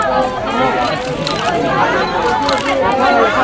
ขอบคุณมากขอบคุณค่ะ